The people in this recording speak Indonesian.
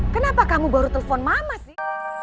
kenapa kamu baru telepon mama sih